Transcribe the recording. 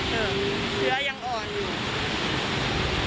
แต่เชื้อยังอ่อนอยู่